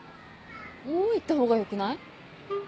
もう行った方がよくない？